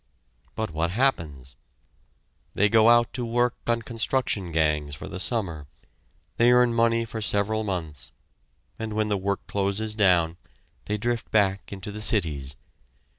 But what happens? They go out to work on construction gangs for the summer, they earn money for several months, and when the work closes down they drift back into the cities.